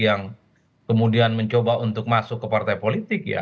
yang kemudian mencoba untuk masuk ke partai politik ya